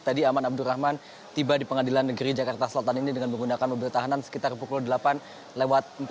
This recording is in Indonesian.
tadi aman abdurrahman tiba di pengadilan negeri jakarta selatan ini dengan menggunakan mobil tahanan sekitar pukul delapan lewat empat puluh